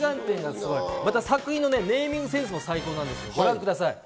作品のネーミングセンスも最高で、ご覧ください。